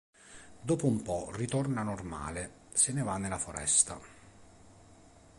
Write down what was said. Dopo un po' ritorna normale se ne va nella foresta.